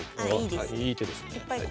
いい手ですね。